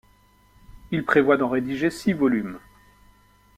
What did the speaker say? Il prévoit d'en rédiger six volumes.